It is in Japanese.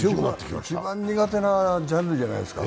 一番苦手なジャンルじゃないですか。